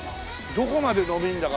どこまで伸びるんだか。